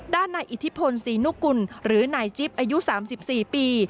ด้านนายอิทธิพลศรีนุกุลหรือนายจิ๊บอายุ๓๔ปี